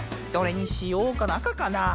どれにしようかな。